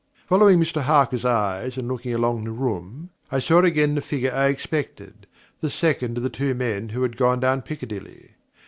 Following Mr Harker's eyes and looking along the room, I saw again the figure I expected the second of the two men who had gone down Piccadilly.